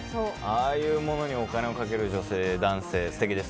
ああいうものにお金をかける女性・男性、すてきです。